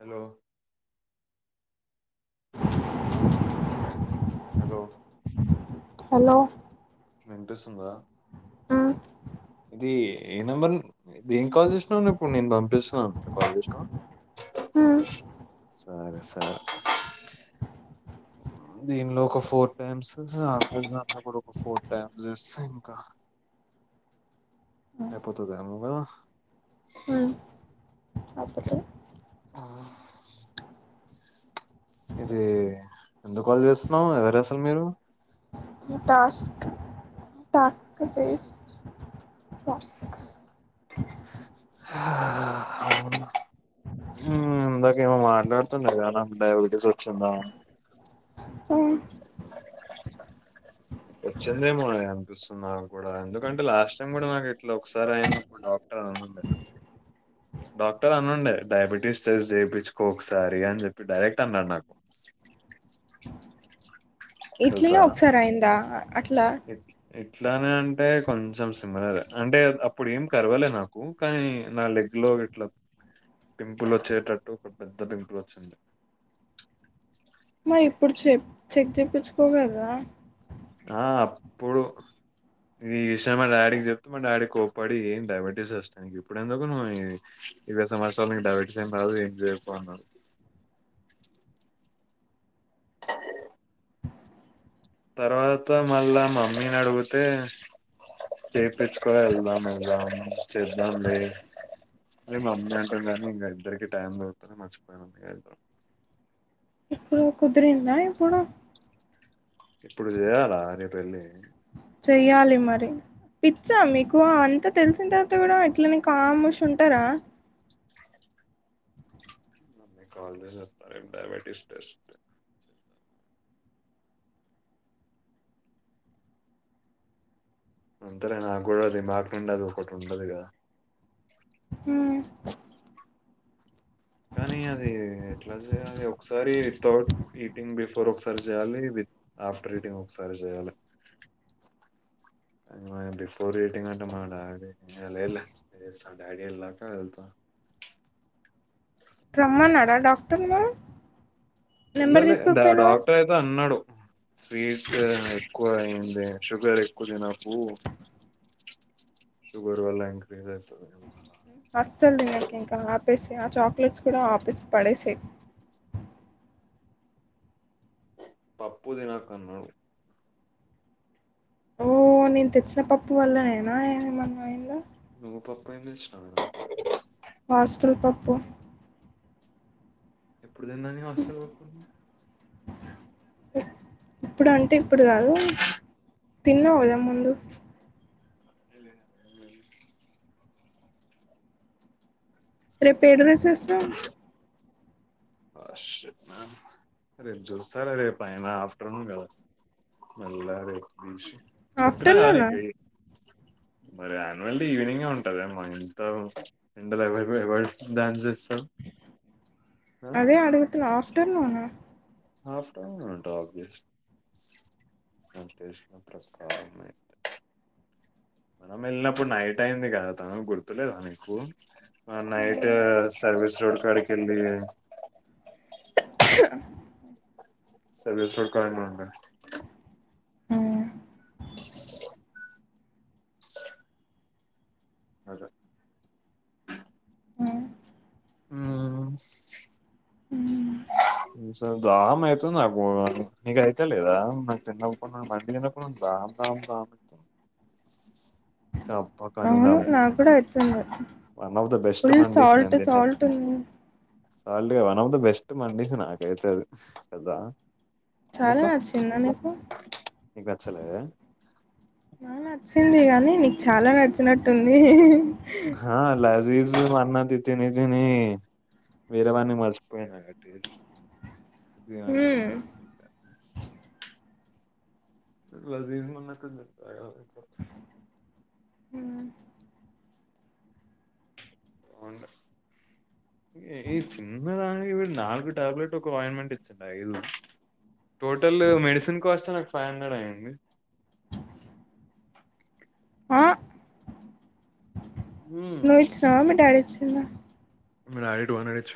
Hello hello hello విన్పిస్తుందా ఆ ఇది ఏ నెంబర్ దేనిక్ కాల్ చేసినావ్ ఇప్పుడు నేను పంపిస్తున్నా కాల్ చేసినావ మ్మ్ సరే సరే దీనిలో ఒక ఫోర్ టైమ్స్ అమెజాన్ల కూడా ఒక ఫోర్ టైమ్స్ చేస్తే ఇంకా అయిపోతది ఏమో కదా మ్ అయిపోతది అవు ఇది ఎందుకు కాల్ చేస్తున్నావు ఎవరు అసలు మీరు టాస్క్ టాస్క్ బేస్ టక్ ఊమ్ ఇందాకేమో మాట్లాడుతునర్ కద డయాబెటీస్ ఒచ్చింద వచ్చిందేమో అనిపిస్తుంది. నాకు కూడా ఎందుకంటే లాస్ట్ టైం కూడా నాకు ఇట్లా ఒకసారి అయినపుడు డాక్టర్ తమండే డాక్టర్ అనుండే డయాబెటీస్ టెస్ట్ చేపిచుకో ఒకసారి అని చెప్పి డైరెక్ట్ అన్నాడు నాకు ఇట్లనే తెలుసా ఒకసారి అయిందా అట్లా ఇట్ ఇట్లానే అంటే కొంచెం సిమ్మిలర్ఏ అంటే అప్పుడు ఏం కర్వాలే నాకు కానీ నా లె ఇట్లో ఇట్లా పింపుల్ వచ్చేటట్టు పెద్ పెద్ద పింపుల్ వచ్చింది మరి ఇప్పుడు చె చెక్ చెప్పించుకోకదా ఆ అప్పుడు ఇ విషయం మా డాడీకి చెప్తే మా డాడీ కోప్పడి ఏం డయాబెటీస్ వస్తాయి. నీకు ఇప్పుడు ఎందుకు నువ్వు ఇరవై సంత్సరాలకు నీకు డయాబటీస్ ఏం రాదు ఏం జేయదు పో అన్నాడు. తర్వాత మళ్ళా మమ్మీని అడుగుతే చేపిచ్చుకో ఎల్దం ఇగ చేద్దాం లే అనీ మమ్మీ అంటుండే కానీ ఇంకా ఇద్దరికి టైం దుర్కుత్లే మర్చిపోయినం ఏందో ఇప్పుడు కుదిరిందా ఇప్పుడు ఇప్పుడు చేయాలా రేపు ఎల్లి చెయ్యాలి మరి పిచ్చా మీకు అంతా తెలిసిన్ తర్వాత కూడా ఇట్లనే కాముష్ ఉంటరా మమ్మీకి కాల్ చేసి చెప్తా రేపు డయాబెటీస్ టెస్ట్ అంతలే నాకూడా రిమార్క్ ఉండదు ఒకటి ఉండదుగదా మ్మ్ కానీ అది ఎట్లా చేయాలి ఒకసారి వితౌట్ ఈటింగ్ బిఫోర్ ఒకసారి చేయాలి విత్ ఆఫ్టర్ ఈటింగ్ ఒకసారి జేయాల మ బిఫోర్ ఈటింగ్ అంటె మ డాడి ఏ లేద్ లే మా డాడీ ఎల్లాక వెళ్తా రమ్మన్నాడా డాక్టర్ మరీ ఎళ్ల లే డ డాక్టర్ అయితే అన్నాడు విపి ఎక్కువైంది షుగర్ ఎక్కువ తినకు షుగర్ వల్ల ఇంక [unintelligible] మళ్ల అస్సల్ తినకు ఇంక ఆపేసేయ్ ఆ చాకొలేట్స్ ఆపేసి పడేసేయ్ పప్పు తినకన్నావ్ ఓ నేన్ తెచ్చిన పప్పు వల్ల నేనా ఏమన్నాయింద నువ్ పప్పేంతెచ్చినవే [unintelligible] హాస్టల్ పప్పు ఎప్పుడు తిన్న నేను హాస్టల్ పప్పు ఇప్పుడు అంటే ఇప్పుడు కాదు. తిన్నావుగదా ముందు [unintelligible] రెపేడ్రెస్ వేస్తావ్ ఆ షర్ట్ మ్యాన్ రేపు జూస్తాలే రేపైన ఆఫ్టర్నూన్ కదా మెల్లగ రేప్ చూసి చెప్పిన కదా ఆఫ్టర్నూనా నీక్ మరి అన్యూల్ డే ఈవెనింగే ఉంటది కదా. మరింత ఎండల పోయి పోయి ఎవరు డాన్స్ చేస్తారు. అదే అడుగుతున్న ఆఫ్టర్నూన్ ఆఫ్టర్నూనే ఉంటది అబ్విస్ నా ఉద్దేశం ప్రకారమే మనం వెళ్ళినప్పుడు నైట్ అయింది కదా తను గుర్తులేదా నీకు మనం నైటే సర్వీస్ రోడ్ కాడికెళ్లి సరే [unintelligible] రోడ్ ఒకే నేనే ఉ దాహం అయితుంది నాకు నీకైతలేదా నాక్ తిన్నప్పటినుండి [unintelligible] అన్నావుక అవును నాకూడ అయితుంది one of the best full మండీస్ నేను సాల్ట్ తిన్నాను సాల్ట్ ఉంది సాల్ట్ కదా వన్ ఆఫ్ ది బెస్ట్ మండి నాకైతే అది కదా చాలా నీకు నచ్చిందా నీకు నీకు నచ్చలే అ నచ్చింది కానీ నీకు చాలా నచ్చినట్టుంది. హా [unintelligible] నువండినవన్నీ తిని తిని వేరేవన్నీ మర్షిపోయిన నేన్ టేస్ట్ ఇది కాదు హ్మ్. మసాజ్ సెంటర్ ఇట్ల తీసి [unintelligible] హ్మ్. బాగుండే ఈ చిన్నదానికి వీడు నాలుగు టాబ్లెట్ ఒక అయింట్మెంట్ ఇచ్చిండ ఐదు టోటల్ మెడిసిన్ కాస్ట్ నాకు ఫైవ్ హండ్రెడ్ అయ్యింది ఉమ్. నువిచ్చినవ మీ డాడిచ్చిండ మా డాడీ టూ హండ్రెడ్ ఇచ్చ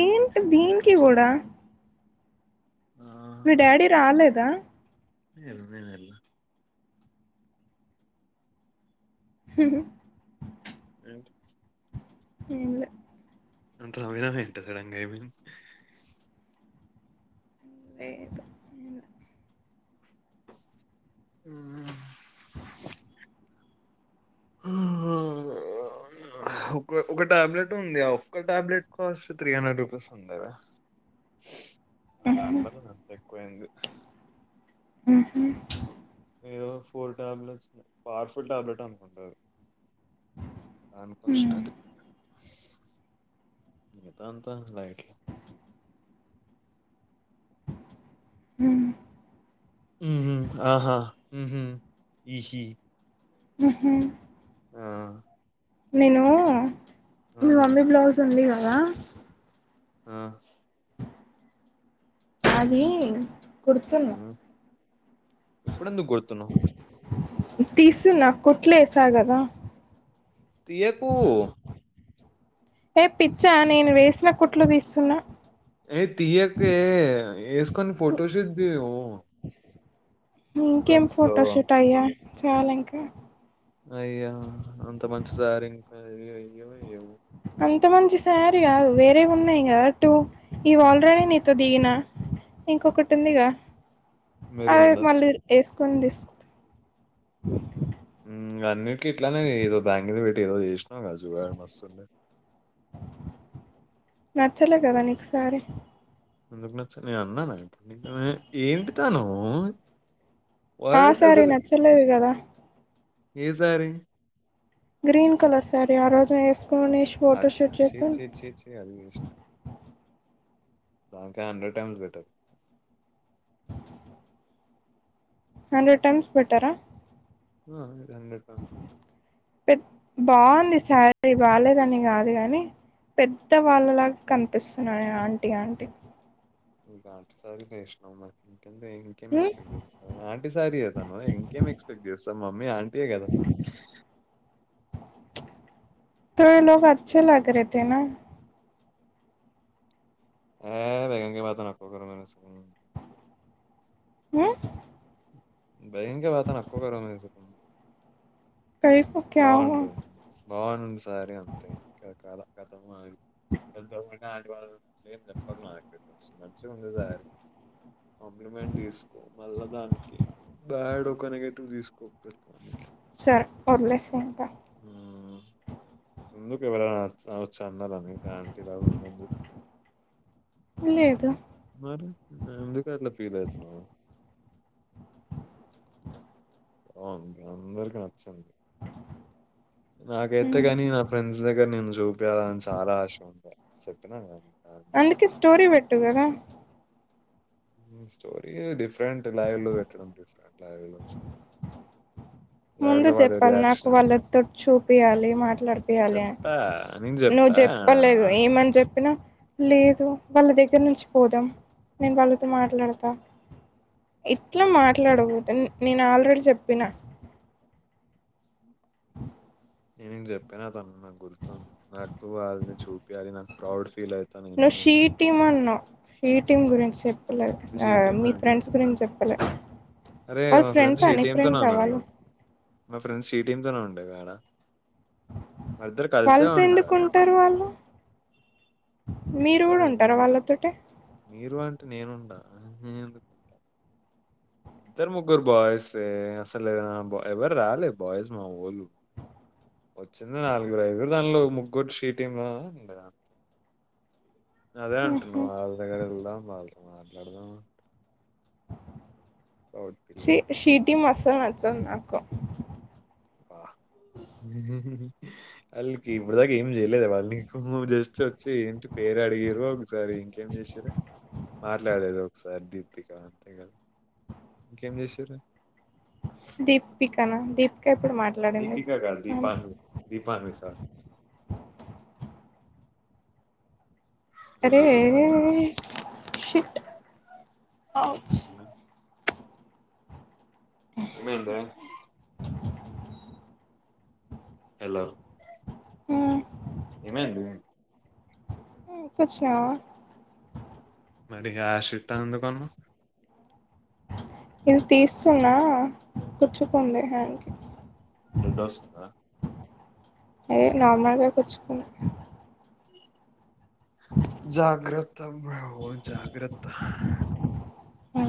ఏంటి దీనికి కూడా ఆ, మీ డాడీ రాలేదా ఎల్లుపోయినోళ్లు రెంట్ ఎంలే [unintelligible] సడన్గా ఏమైంది లేదు ఉమ్ అవునా ఒక ఒక టాబ్లెట్ ఉంది. ఆ ఒక్క టాబ్లెట్ కొసం త్రి హండ్రెడ్ రూపీస్ ఉంద ఆడ అదాన్ బద్లు నత్తేక్వైంది. ఉహు ఏదో ఫోర్ టాబ్లెట్స్ పవర్ఫుల్ టాబ్లెట్ అనుకుంటాది. నాను కష్టది ఏదాంతా లైట్ ఉమ్ ఉహు ఆహా ఉహు ఈహీ ఆహ నేను ఆ! మీ మమ్మీ బ్లౌజ్ ఉంది కదా అ అది కుడుతున్నా హ్మ్ ఇప్పుడేందుగోడ్తూన్నావ్? తీసున్నా కోట్లు ఏసా గదా తీయకు ఏ పిచ్చా నేను వేసిన కుట్లు తీస్తున్నా. ఏ తియ్యొద్దె ఏసుకొని ఫోటోషూట్ తీయు ఇంకేమి ఫోటోషూట్ అయ్యా చేయాలి ఇంకా అయ్యా అంత మంచి సారి [inaudible] అంత మంచి సారీ కాదు. వేరే ఉన్నాయిగా టు ఇవి ఆల్రెడీ నీతో దిగిన ఇంకొకటి ఉందిగా. అది మెరూన్‌దా? మళ్ళీ వేసుకొని తీస్ మ్ అన్నిటికీ ఇట్లానే ఏదో బ్యాంగలు పెట్టి ఏదో చేసినావు కదా చూడి మస్తుంది. నచ్చలే కదా నీకుసారి? ఎందుకు నచ్చాలే నేను అన్నాన వే ఏంటి తాను ఆ వాడుంటే శారీ అసలు నచ్చలేదు కదా ఏ సారి గ్రీన్ కలర్ సారి ఆరోజు నేను ఎస్ అచ్చి అ చి చి చి చి అది వేస్ట్ దాక hundred times better hundred times better ఆ ఆ హండ్రెడ్ టైమ్స్ బెటర్ బావుంది సారి బాలేదని కాదు గానీ పెద్ద వాళ్ళలాగా కనిపిస్తున్నా ఆంటీ ఆంటీ ఇంకా సరిగా చేస్నవ్ మరి అంతే ఇంకేం ఎక్స్పెక్ట్ చేస్తా ఆంటంటి సార తను ఇంకేం ఎక్స్పెక్ట్ చేస్తా మమ్మీ. అంతే కదా ప్చ్ త లోగ్ అచ్చచ్చే లగ్రీ తే నా ఆ వేగంగా మాత నకు మ ఊ బైయంకే [unintelligible] కైకు క్యా హువా బావుంది సారి అంతే [inaudible] నాంటి వాళ్ళ ఏం చెప్పక నాకు మంచిగుందిచి సారి కాంప్లిమెంట్ తీసుకో మళ్ళా దానికి బ్యాడ్ ఒక నెగటివ్ తీసుకోకు ప్రతిదనికి సార్ ఒదిలేస్తా ఇంకా ఎందుకు ఎవరైన వచ్ వచ్చి అన్నారా మికు ఆంటీలాగా ఉందని చెప్పి లేదు మ్ మారి ఎందుకట్ల ఫీలైతున్నవ్ బవుంది అందరికి నచ్చింది. నాకైతే ఉమ్. గానీ నా ఫ్రెండ్స్ దగ్గర నిన్ జూపియాలని చాలా ఆశ ఉంది చెప్పినా గా నికు అందుకే స్టోరి పెట్టు గదా మ్ స్టోరీ డిఫరెంట్ లైవ్ లో పెట్టడం డిఫరెంట్ లైవ్ లో ముందు లో వారి చెప్పాలి నాకు రియాక్షన్ వాళ్ళతోట్ చూపియాలి మాట్లాడిపియాలి అన్ చెప్పా నీకు నువ్ చెప్పా జేప్పలేదు ఏమని జెప్పినా లేదు వాళ్ళ దగ్గర నుంచి పోదాం నేను వాళ్ళతో మాట్లాడుతా ఇట్ల మాట్లాడకుతే నేను ఆల్రెడీ జెప్పిన నేను జెప్పిన తను నాకు గుర్తుంది నాకు వాళని చూపియాలి నాకు ప్రౌడ్ ఫీల్ అయి నువ్వు షీ టీమ్ అన్నవ్ షీ టీమ్ గురించి చె లే ఆ షీటీఎం మీ అంట ఫ్రెండ్స్కు నిను చెప్పలే అరే వాళ్ళ మా ఫ్రెండ్స్ షి అని టీమ్ ఫ్రెండ్స్ వాళ్ళు తోనున్నరు మా ఫ్రెండ్స్ షీ టీమ్ తొనే ఉండేది ఆడ వెళ్లిద్దరు కలిసే వాళ్ళతో ఎందుకు ఉంటది ఉంటారు వాళ్ళు మీరు కూడా అహ్ ఉంటారు [unintelligible] వాళ్ళతోటే మీరు అంటే నేనుండా నేనేందుకుంట ఇద్దరు ముగ్గురు బాయ్స్ యే అసలు బ ఎవరు రాలే బాయ్స్ మా వొళ్ళు వచ్చింది నాలుగురు ఐదుగురు దానిలో ముగ్గురు షీటీమ్ లొ ఉండెది అంతే అదే అంటున్న వాళ్ళ దగ్గర గూడా వాళ్ళతో మాట్లాడదాం లౌడ్ ఫీల్ ఛి అయితాను. షీటిమ్ అస్సల్ నచ్చదు నాకు బ్బ వాళ్ళకి ఇపుడు దాకా ఏం చేయలేదే వాళ్నికు జస్ట్ ఒచ్చి ఇంటి పేరు అడిగిరు ఒకసారి ఇంకేం చేస్ షర మాట్లాడేది ఒకసారి దీపిక అంతే గదా ఇంకేం జేశిరు దీపికనా దీపిక ఇప్పుడు మాట్లాడింది దీపికా కాదు దీపాని దీపాను సార్ అసలు అరే దీపికనే ఎఎ కాదు షిట్ అ ఏమైద్ ఏమైందే హలో హు ఏమైంది మ్ కూచ్చునవా మరి ఇగ ఆ షిట్ అని ఎందుకన్నవ్ ఇది తీస్తున్నా కుచ్చుకుంది హ్యాండ్కి బ్లడొస్తుందా అదె నార్మల్గా కుచ్చుకున్ జాగ్రత్తమ్మ అమ్మవ్ జాగ్రత్త ఆ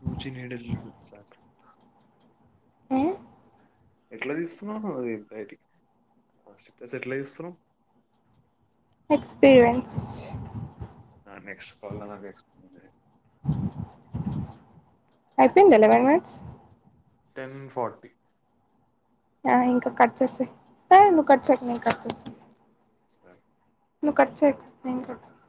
పూచి నిడేళ్ళు ఒకసారి ఆ ఎట్ల తీస్తున్నవ్ నువ్వది బైటికి ఎట్ల తీస్తున్నవ్ ఎక్స్పీరియన్స్ అ నెక్స్పోళ్ల కల్లో నాకు ఎక్స్పీయన్ లేదు ఐపోయిందా లెవెన్ మినట్స్ టెన్ ఫార్టీ అహ్ ఇంక కట్ చేసేయ హె నువ్వు కట్ చేయ్క నేను కట్ చేస్తా స్త నువు కట్ చేయకు నేను కట్ చేస్